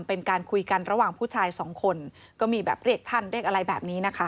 เป็นการคุยกันระหว่างผู้ชายสองคนก็มีแบบเรียกท่านเรียกอะไรแบบนี้นะคะ